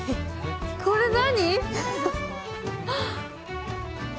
これ何？